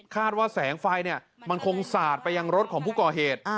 ว่าแสงไฟมันคงสาดไปยังรถของผู้ก่อเหตุ